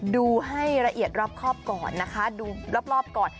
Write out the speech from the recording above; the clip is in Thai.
ดูให้ละเอียดรอบครอบก่อนนะคะดูรอบก่อน